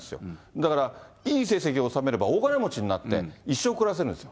だからいい成績をおさめれば大金持ちになって、一生暮らせるんです。